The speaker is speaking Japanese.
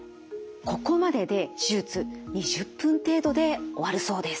ここまでで手術２０分程度で終わるそうです。